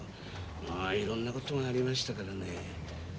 まあいろんな事がありましたからね。